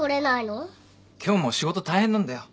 今日も仕事大変なんだよ。